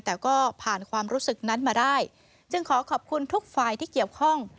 แต่ก็ผ่านความรู้สึกนั้นมาได้จึงขอขอบคุณทุกฝ่ายที่เกี่ยวข้อง